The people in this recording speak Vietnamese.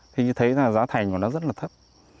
thì như thấy là giá thành của nó rất là thấp